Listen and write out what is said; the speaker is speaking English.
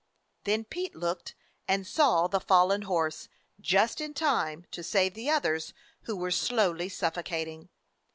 Then Pete looked and saw the fallen horse just in time to save the others, who were slowly suffocating.